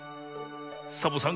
サボさん